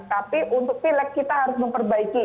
tapi untuk pil lek kita harus memperbaiki